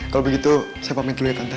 kalau begitu saya pamit dulu ya kontain